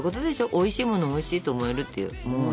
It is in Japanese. おいしいものをおいしいと思えるっていう。